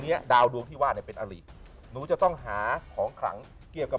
นี้ดาวดวงที่ว่าหนูเป็นอริกหนูจะต้องหาของครั้งเกี่ยวกับ